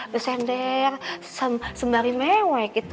bisa sender sembari mewek gitu